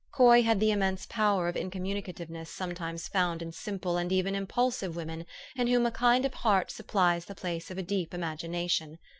Coy had the immense power of incommunicativeness sometimes found in simple and even impulsive women in whom a kind heart supph'es the place of a deep imagination.